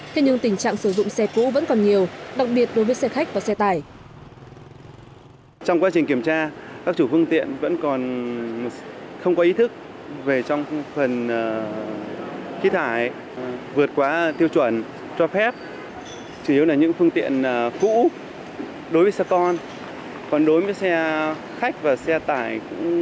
thế nhưng tình trạng sử dụng xe cũ vẫn còn nhiều đặc biệt đối với xe khách và xe tải